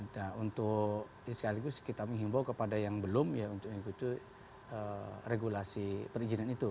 nah untuk sekaligus kita menghimbau kepada yang belum ya untuk mengikuti regulasi perizinan itu